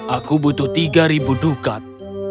aku butuh tiga dukat